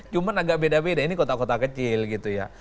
cuma agak beda beda ini kota kota kecil gitu ya